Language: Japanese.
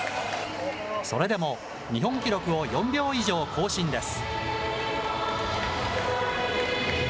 それでも日本記録を４秒以上更新です。